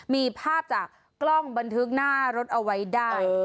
มีภาพจากกล้องบันทึกหน้ารถเอาไว้ได้